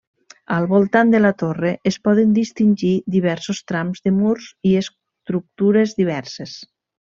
Al voltant de la torre es poden distingir diversos trams de murs i estructures diverses.